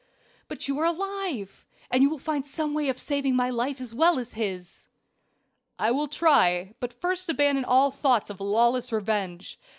But you are alive, and you will find some way of saving my life as well as his." "I will try. But first abandon all thoughts of lawless revenge.